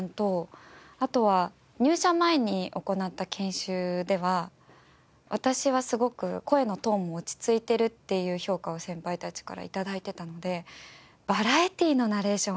あとは入社前に行った研修では私はすごく声のトーンも落ち着いてるっていう評価を先輩たちから頂いてたのでバラエティのナレーション